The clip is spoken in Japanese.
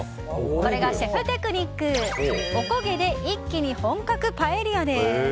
これがシェフテクニックおこげで一気に本格パエリアです。